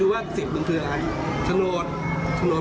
ทางโลศิขต์ทั้งหมด